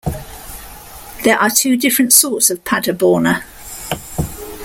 There are two different sorts of Paderborner.